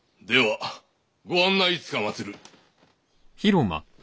ではご案内つかまつる。